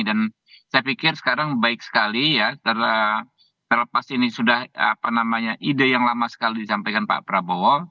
dan saya pikir sekarang baik sekali ya terlepas ini sudah ide yang lama sekali disampaikan pak prabowo